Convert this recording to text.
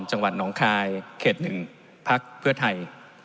จังหวัดน้องคลายเขตหนึ่งภักดิ์เพื่อไทย